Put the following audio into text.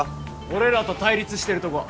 俺らと対立してるとこ。